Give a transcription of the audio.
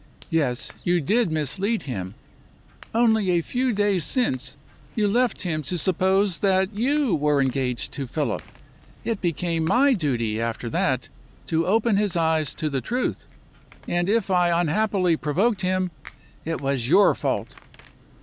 Yes! you did mislead him. Only a few days since, you left him to suppose that you were engaged to Philip. It became my duty, after that, to open his eyes to the truth; and if I unhappily provoked him, it was your fault.